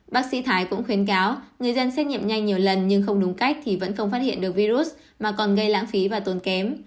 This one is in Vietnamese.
bác sĩ thái cũng khuyến cáo người dân xét nghiệm nhanh nhiều lần nhưng không đúng cách thì vẫn không phát hiện được virus mà còn gây lãng phí và tốn kém